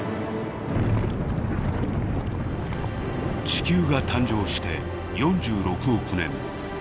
地球が誕生して４６億年。